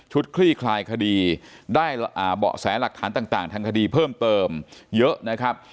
คลี่คลายคดีได้เบาะแสหลักฐานต่างทางคดีเพิ่มเติมเยอะนะครับ